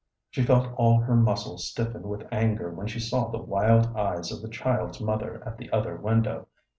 She felt all her muscles stiffen with anger when she saw the wild eyes of the child's mother at the other window.